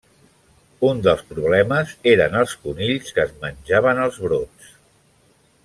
Un dels problemes eren els conills que es menjaven els brots.